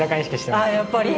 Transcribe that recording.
ああやっぱり。